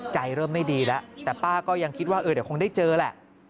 ใจเริ่มไม่ดีแล้วแต่ป้าก็ยังคิดว่าเดี๋ยวคงได้เจอแหละ